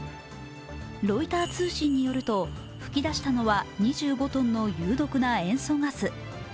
ロイター通信によると、噴き出したのは２５ｔの有毒な塩素ガス。